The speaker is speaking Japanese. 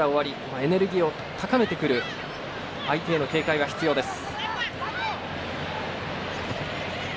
エネルギーを高めてくる相手への警戒が必要です。